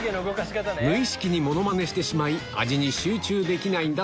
無意識にモノマネしてしまい味に集中できないんだ